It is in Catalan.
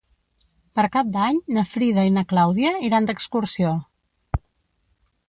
Per Cap d'Any na Frida i na Clàudia iran d'excursió.